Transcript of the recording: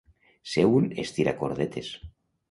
Ser un estiracordetes.